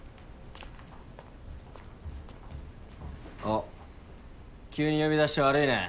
おっ急に呼び出して悪いね。